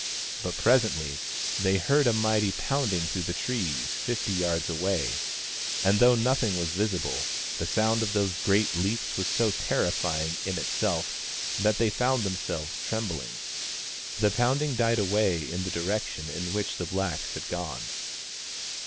But presently they heard a mighty I THE STONE AXE OF BURKAMUKK 27 pounding through the trees fifty yards away : and though nothing was visible, the sound of those great leaps was so terrifying in itself that they found themselves trembling. The pounding died away in the direction in which the blacks had gone.